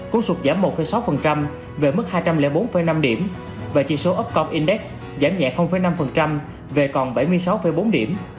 cuốn sụt giảm một sáu về mức hai trăm linh bốn năm điểm và chỉ số upcomindex giảm nhẹ năm về còn bảy mươi sáu bốn điểm